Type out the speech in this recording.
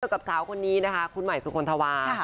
ด้วยกับสาวคนนี้นะคะคุณหมายสุขลทวา